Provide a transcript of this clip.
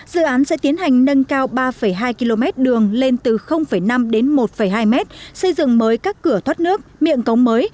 dự án sẽ tiến hành nâng cao ba hai km đường lên từ năm đến một hai mét xây dựng mới các cửa thoát nước miệng cống mới